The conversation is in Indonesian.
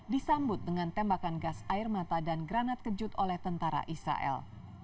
disambut dengan tembakan gas air mata dan granat kejut oleh tentara israel